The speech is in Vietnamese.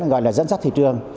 gọi là dẫn dắt thị trường